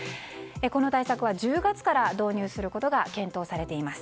この対策は１０月から導入することが検討されています。